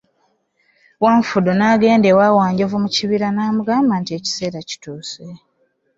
Wanfudu n'agenda ewa Wanjovu mu kibira, n'amugamba nti "Ekiseera kituuse.